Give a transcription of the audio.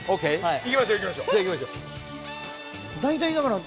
行きましょう行きましょう。